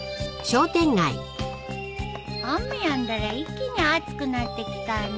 雨やんだら一気に暑くなってきたね。